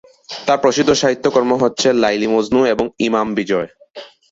তার প্রসিদ্ধ সাহিত্যকর্ম হচ্ছে লায়লী-মজনু এবং ইমাম বিজয়।